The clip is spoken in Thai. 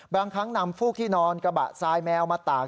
บางครั้งนำฟูกที่นอนกระบะทรายแมวมาตาก